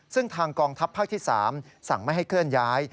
ซึ่งทางกองทัพภาคที่๓สั่งไม่ให้เคลื่อนย้าย